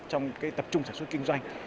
trong tập trung sản xuất kinh doanh